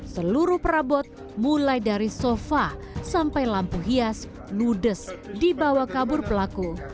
seluruh perabot mulai dari sofa sampai lampu hias ludes dibawa kabur pelaku